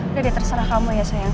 udah deh terserah kamu ya sayang